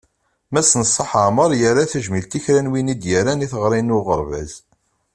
Mass Neṣṣaḥ Ɛmer, yerra tajmilt i kra n win i d-yerran i teɣri n uɣerbaz.